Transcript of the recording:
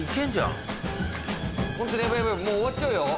もう終わっちゃうよ・・